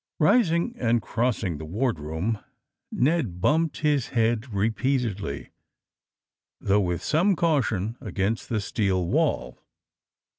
Eising and crossing the wardroom Ned bumped his head, repeatedly — though with some caution — against the steel wall.